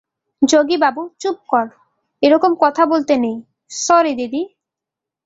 যোগীবাবু, চুপ কর, - এরকম কথা বলতে নেই - স্যরি, দিদি।